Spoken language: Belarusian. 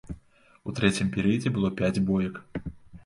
У трэцім перыядзе было пяць боек.